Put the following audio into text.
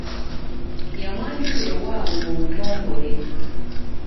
Yamwanjula ewaabwe mu butongole.